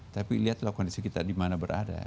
tapi lihatlah kondisi kita dimana berada